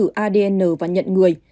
lên thử adn và nhận người